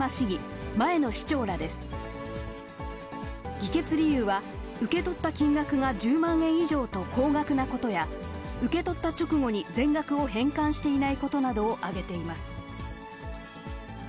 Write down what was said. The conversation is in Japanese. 議決理由は、受け取った金額が１０万円以上と高額なことや、受け取った直後に全額を返還していないことなどを挙げています。